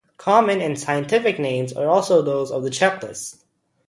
Common and scientific names are also those of the "Check-list".